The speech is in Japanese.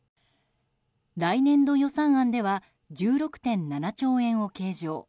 来年度予算案では１６．７兆円を計上。